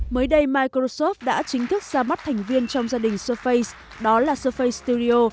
mới đây microsoft đã chính thức ra mắt thành viên trong gia đình surface đó là surface studio